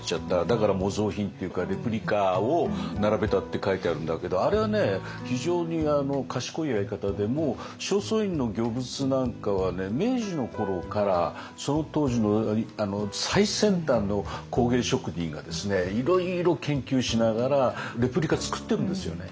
だから模造品っていうかレプリカを並べたって書いてあるんだけどあれは非常に賢いやり方でもう正倉院の御物なんかは明治の頃からその当時の最先端の工芸職人がいろいろ研究しながらレプリカ作ってるんですよね。